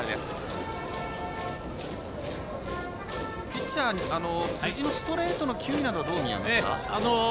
ピッチャー辻のストレートの球威どう見ますか？